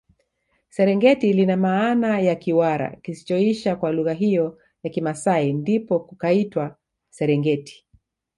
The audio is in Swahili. Serengiti lina maana ya Kiwara kisichoisha kwa lugha hiyo ya kimasai ndipo kukaitwa serengeti